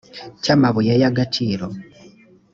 cy amabuye y agaciro